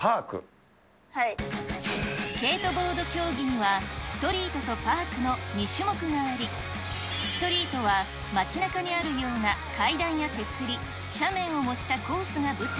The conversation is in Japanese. スケートボード競技には、ストリートとパークの２種目があり、ストリートは、街なかにあるような階段や手すり、斜面を模したコースが舞台。